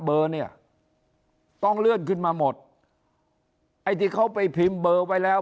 เบอร์เนี่ยต้องเลื่อนขึ้นมาหมดไอ้ที่เขาไปพิมพ์เบอร์ไว้แล้ว